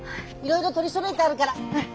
いろいろ取りそろえてあるから。